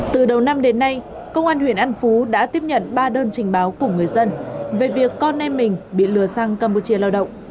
từ đầu năm đến nay công an huyện an phú đã tiếp nhận ba đơn trình báo của người dân về việc con em mình bị lừa sang campuchia lao động